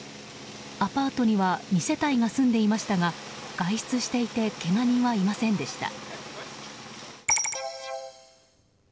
アパートには２世帯が住んでいましたが外出していてけが人はいませんでした。